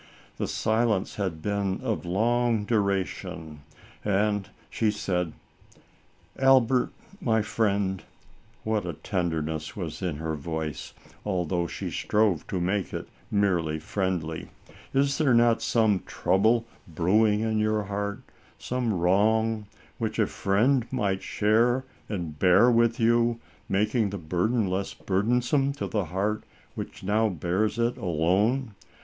The silence had been of long duration, and she said: 10 ALICE ; OR, THE WAGES OF SIN. "Albert, my friend (what a tenderness was in her voice, although she strove to make it merely friendly), is there not some trouble brooding in your heart, some wrong, which a friend might share and bear with you, making the burden less burdensome to the heart which now bears it alone